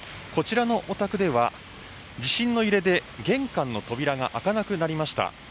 こちらのお宅では地震の揺れで玄関の扉が開かなくなりました